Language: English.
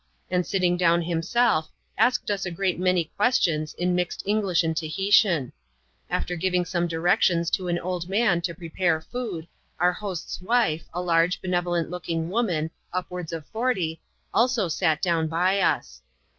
and sitting down himself, asked us a great many ques tions, in mixed English and Tahitian. After giving some directions to an old man to prepare food, our host's wife, a lai^e, benevolent looking woman, upwards of forty, also sat down by tis.